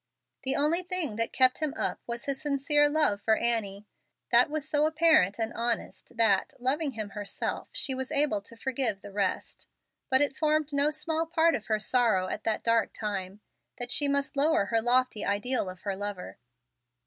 The only thing that kept him up was his sincere love for Annie. That was so apparent and honest that, loving him herself, she was able to forgive the rest. But it formed no small part of her sorrow at that dark time, that she must lower her lofty ideal of her lover.